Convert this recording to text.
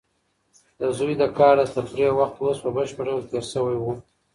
د زوی د کار د تفریح وخت اوس په بشپړ ډول تېر شوی و.